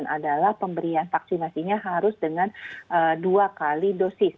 adalah pemberian vaksinasinya harus dengan dua kali dosis